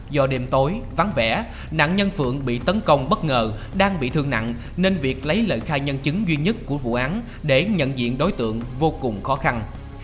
do đêm tối vắng vẻ nạn nhân phượng bị tấn công bất ngờ đang bị thương nặng nên việc lấy lời khai nhân chứng duy nhất của vụ án để nhận diện đối tượng vô cùng khó khăn